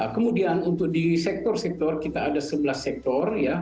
kemudian untuk di sektor sektor kita ada sebelas sektor